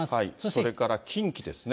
それから近畿ですね。